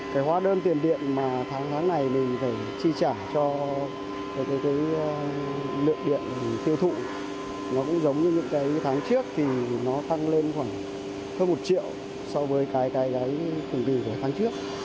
cái hóa đơn tiền điện mà tháng ngắn này mình phải chi trả cho cái lượng điện tiêu thụ nó cũng giống như những cái tháng trước thì nó tăng lên khoảng hơn một triệu so với cái cùng kỳ của tháng trước